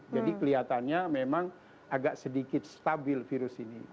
jadi kelihatannya memang agak sedikit stabil virus ini